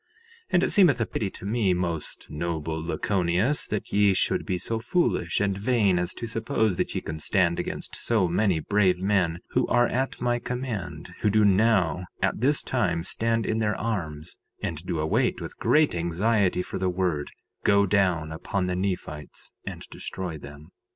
3:3 And it seemeth a pity unto me, most noble Lachoneus, that ye should be so foolish and vain as to suppose that ye can stand against so many brave men who are at my command, who do now at this time stand in their arms, and do await with great anxiety for the word—Go down upon the Nephites and destroy them.